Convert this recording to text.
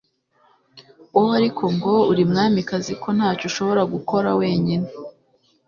wowe ariko ngo uri mwamikazi ko ntacyo ushobora gukora wenyine